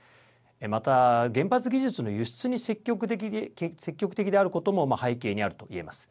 また、原発技術の輸出に積極的であることも背景にあるといえます。